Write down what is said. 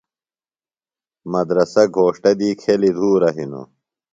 مدرسہ گھوݜٹہ دی کھیلیۡ دُھورہ ہِنوُ۔